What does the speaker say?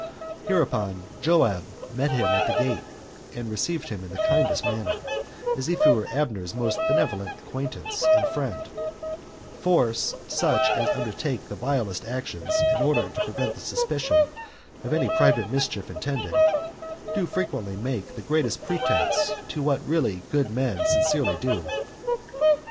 Hereupon Joab met him in the gate, and received him in the kindest manner, as if he were Abner's most benevolent acquaintance and friend; for such as undertake the vilest actions, in order to prevent the suspicion of any private mischief intended, do frequently make the greatest pretenses to what really good men sincerely do.